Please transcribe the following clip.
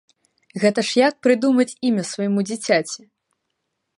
Гэта ж як прыдумаць імя свайму дзіцяці!